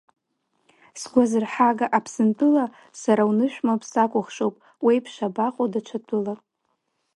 Сгәазырҳага, Аԥсынтәыла, сара унышә-нап иакәыхшоу, уеиԥш абаҟоу даҽа тәылак…